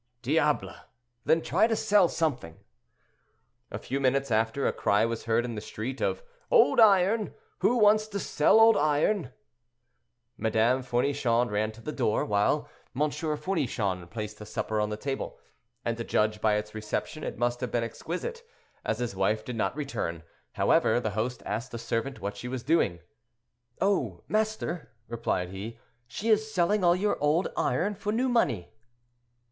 "Diable! then try to sell something." A few minutes after a cry was heard in the street of "Old iron! who wants to sell old iron?" Madame Fournichon ran to the door, while M. Fournichon placed the supper on the table, and to judge by its reception it must have been exquisite. As his wife did not return, however, the host asked a servant what she was doing. "Oh, master," he replied, "she is selling all your old iron for new money."